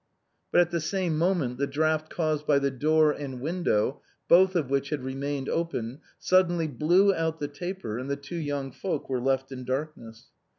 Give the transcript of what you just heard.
But at the same moment the draught caused by the door and window, both of which had remained open, suddenly blew out the taper, and the two young folks were left in darknesss.